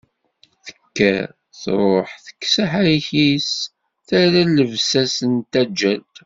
Tekker, tṛuḥ, tekkes aḥayek-is, terra llebsa-s n taǧǧalt.